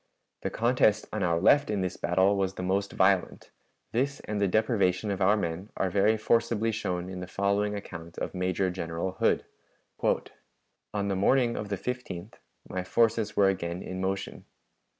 The contest on our left in this battle was the most violent. This and the deprivation of our men are very forcibly shown in the following account of Major General Hood: "On the morning of the 15th my forces were again in motion.